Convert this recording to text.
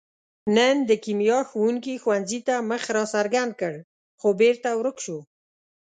نن د کیمیا ښوونګي ښوونځي ته مخ را څرګند کړ، خو بېرته ورک شو.